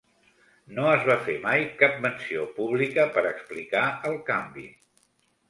No es va fer mai cap menció pública per explicar el canvi.